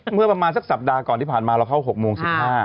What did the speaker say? เมื่อประมาณสักสัปดาห์ก่อนที่ผ่านมาเราเข้า๖โมง๑๕